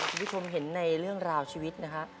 คุณผู้ชมเห็นในเรื่องราวชีวิตนะฮะ